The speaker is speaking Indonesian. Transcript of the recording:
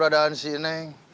ada adaan si neng